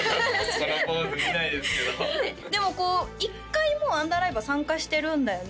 このポーズ見ないですけどでも１回もうアンダーライブは参加してるんだよね？